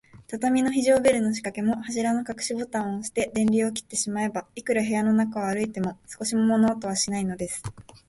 畳の非常ベルのしかけも、柱のかくしボタンをおして、電流を切ってしまえば、いくら部屋の中を歩いても、少しも物音はしないのです。